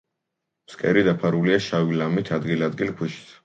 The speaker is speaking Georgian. ფსკერი დაფარულია შავი ლამით, ადგილ-ადგილ ქვიშით.